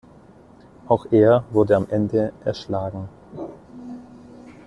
Auch er wurde am Ende erschlagen.